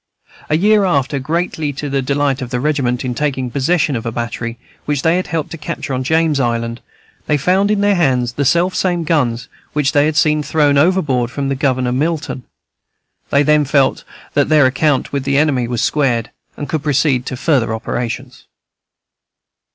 A year after, greatly to the delight of the regiment, in taking possession of a battery which they had helped to capture on James Island, they found in their hands the selfsame guns which they had seen thrown overboard from the Governor Milton. They then felt that their account with the enemy was squared, and could proceed to further operations.